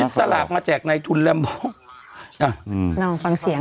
มิตรสลับมาแจกในทุนแรมบอง